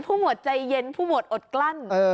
หมวดใจเย็นผู้หมวดอดกลั้น